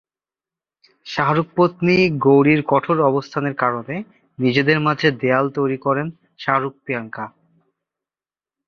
শাহরুখপত্নী গৌরীর কঠোর অবস্থানের কারণে নিজেদের মাঝে দেয়াল তৈরি করেন শাহরুখ-প্রিয়াঙ্কা।